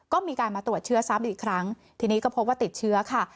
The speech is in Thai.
ก็มีการมาตรวจเชื้อซ้ำอีกครั้งทีนี้ก็พบว่าติดเชื้อค่ะ